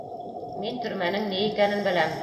Мин төрмәнең ни икәнен беләм...